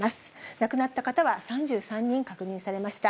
亡くなった方は３３人確認されました。